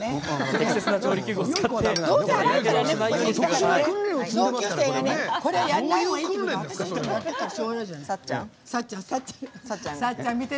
適切な調理器具を使って。